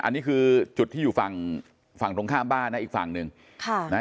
อันนี้คือจุดที่อยู่ฝั่งฝั่งตรงข้ามบ้านนะอีกฝั่งหนึ่งค่ะนะ